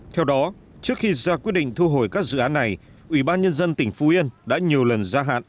theo đó trước khi ra quyết định thu hồi các dự án này ủy ban nhân dân tỉnh phú yên đã nhiều lần gia hạn